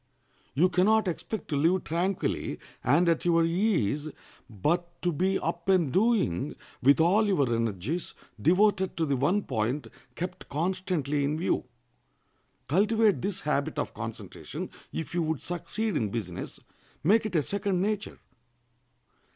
You can not expect to live tranquilly and at your ease, but to be up and doing, with all your energies devoted to the one point kept constantly in view. Cultivate this habit of concentration if you would succeed in business; make it a second nature.